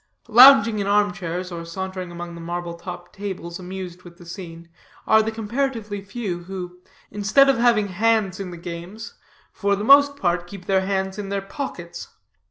Lounging in arm chairs or sauntering among the marble topped tables, amused with the scene, are the comparatively few, who, instead of having hands in the games, for the most part keep their hands in their pockets.